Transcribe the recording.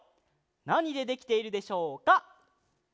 なにでできているでしょうか？